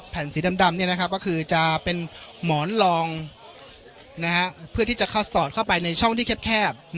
สีดำก็คือจะเป็นหมอนรองเพื่อที่จะเข้าสอดเข้าไปในช่องที่แคบ